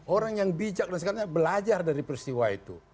orang yang bijak dan sebagainya belajar dari peristiwa itu